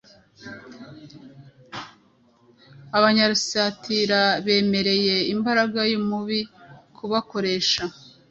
Abanyalusitira bemereye imbaraga y’umubi kubakoresha